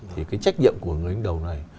thì cái trách nhiệm của người đứng đầu này